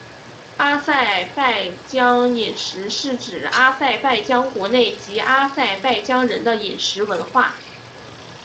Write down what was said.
阿塞拜疆饮食是指阿塞拜疆国内及阿塞拜疆人的饮食文化。